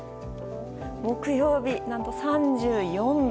木曜日は何と３４度。